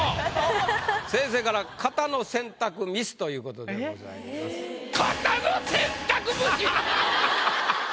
先生から「型の選択ミス」ということでございます。